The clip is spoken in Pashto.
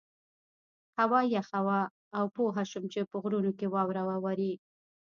هوا یخه وه او پوه شوم چې په غرونو کې واوره وورې.